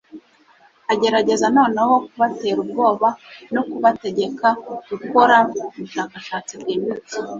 Agerageza noneho kubatera ubwoba no kubategeka gukora ubushakashatsi bwimbitse,